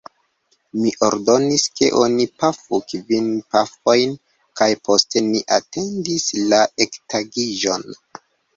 Mi ordonis ke oni pafu kvin pafojn, kaj poste ni atendis la ektagiĝon.